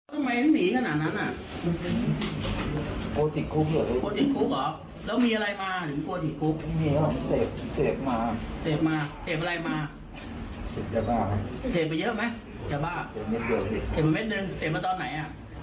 รู้ไหมว่าชนรถเข้าไปเกือบ๑๐คัน